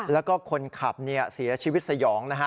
แล้วก็คนขับเสียชีวิตสยองนะฮะ